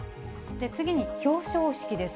次に表彰式です。